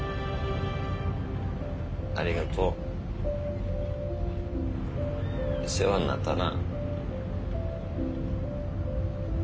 ありがとう世話になったな。